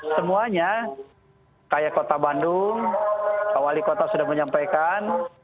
semuanya kayak kota bandung kawali kota sudah menyampaikan